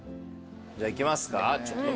じゃあ行きますか。